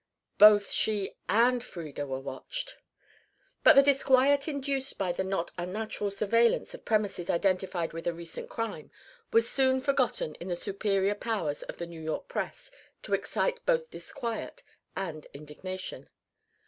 Both she and Frieda were watched! But the disquiet induced by the not unnatural surveillance of premises identified with a recent crime was soon forgotten in the superior powers of the New York press to excite both disquiet and indignation.